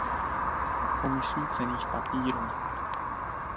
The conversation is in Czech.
Komisí cenných papírů.